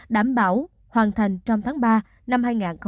đảm bảo hoàn thành trong tháng ba năm hai nghìn hai mươi